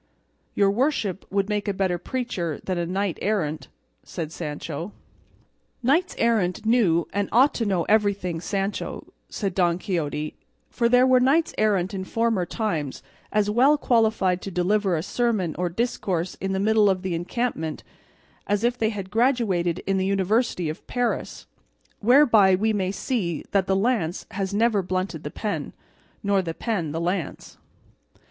"Your worship would make a better preacher than knight errant," said Sancho. "Knights errant knew and ought to know everything, Sancho," said Don Quixote; "for there were knights errant in former times as well qualified to deliver a sermon or discourse in the middle of an encampment, as if they had graduated in the University of Paris; whereby we may see that the lance has never blunted the pen, nor the pen the lance."